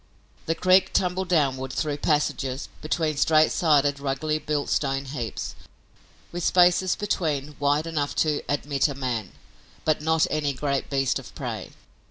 The creek tumbled downward, through passages, between straight sided, ruggedly built stone heaps, with spaces between wide enough to admit a man, but not any great beast of prey.